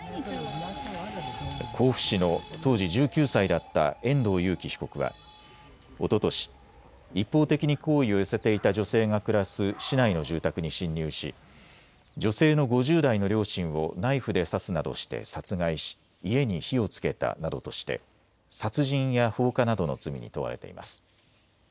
甲府市の当時１９歳だった遠藤裕喜被告はおととし一方的に好意を寄せていた女性が暮らす市内の住宅に侵入し女性の５０代の両親をナイフで刺すなどして殺害し家に火をつけたなどとして殺人や放火などの罪に問われています。